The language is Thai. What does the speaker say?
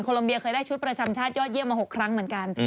โลเบียเคยได้ชุดประจำชาติยอดเยี่ยมมา๖ครั้งเหมือนกัน